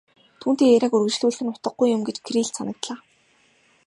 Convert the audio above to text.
Түүнтэй яриаг үргэжлүүлэх нь утгагүй юм гэж Кириллд санагдлаа.